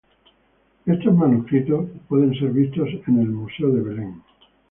Estos manuscritos pueden ser vistos en el Museo de Israel.